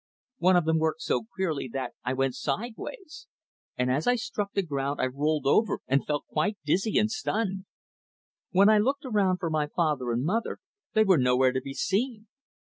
One of them worked so queerly that I went sidewise, and as I struck the ground I rolled over and felt quite dizzy and stunned. When I looked around for my father and mother they were nowhere to be seen.